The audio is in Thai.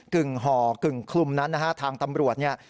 ึ่งห่อกึ่งคลุมนั้นนะฮะทางตำรวจเนี่ย